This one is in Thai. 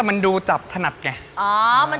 หมวกปีกดีกว่าหมวกปีกดีกว่า